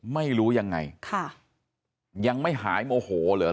ไม่รู้ยังไงค่ะยังไม่หายโมโหเหรอ